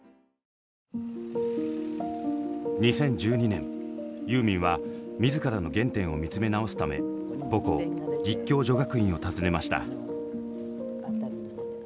２０１２年ユーミンは自らの原点を見つめ直すため母校立教女学院を訪ねました。